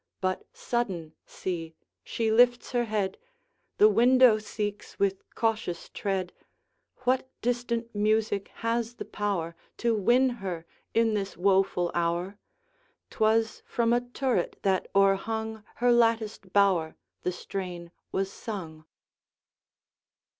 But sudden, see, she lifts her head; The window seeks with cautious tread. What distant music has the power To win her in this woful hour? 'T was from a turret that o'erhung Her latticed bower, the strain was sung.